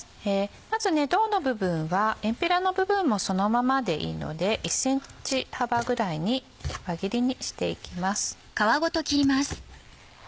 まず胴の部分はエンペラの部分もそのままでいいので１ｃｍ幅ぐらいに輪切りにしていきます。